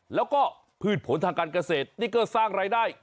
แล้วก็พืชผลทางการเกษตรนี่ก็สร้างรายได้